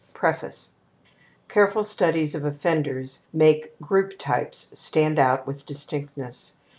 PREFACE Careful studies of offenders make group types stand out with distinctness.